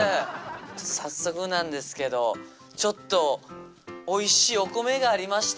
早速なんですけどちょっとおいしいお米がありまして。